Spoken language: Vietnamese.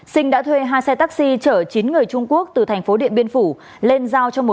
sinh đã thuê hai xe taxi chở chín người trung quốc từ thành phố điện biên phủ